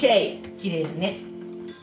きれいだね。